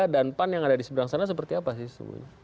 dan pan yang ada di seberang sana seperti apa sih